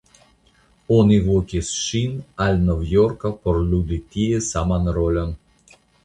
Oni vokis ŝin al Novjorko por ludi tie saman rolon.